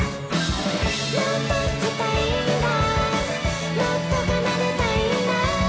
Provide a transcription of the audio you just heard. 「もっと弾きたいんだもっと奏でたいんだ」